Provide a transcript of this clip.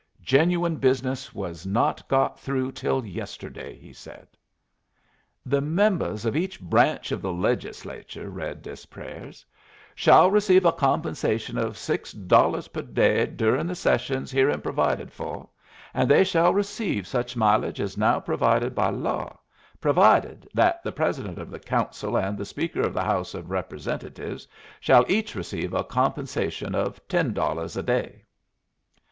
"Genuine business was not got through till yesterday," he said. "'The members of each branch of the Legislature,'" read Des Pères, "'shall receive a compensation of six dollars per day during the sessions herein provided for, and they shall receive such mileage as now provided by law: Provided, That the President of the Council and the Speaker of the House of Representatives shall each receive a compensation of ten dollars a day.'"